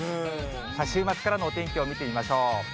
週末からのお天気を見てみましょう。